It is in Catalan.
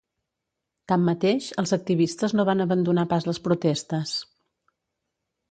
Tanmateix, els activistes no van abandonar pas les protestes.